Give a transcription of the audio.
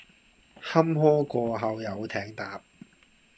坎坷過後有艇搭！